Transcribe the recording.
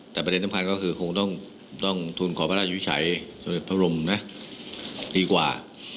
แต่ประเด็นสำคัญก็คือคงต้องทุนขอพระราชวิสัยสมเด็จพระบรมนะดีกว่า